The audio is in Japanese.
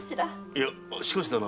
いやしかしだな